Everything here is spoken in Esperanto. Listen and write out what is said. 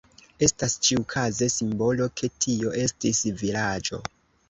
Estas ĉiukaze simbolo, ke tio estis vilaĝo.